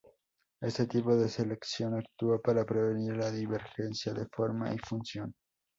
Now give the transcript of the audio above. Este tipo de selección actúa para prevenir la divergencia de forma y función.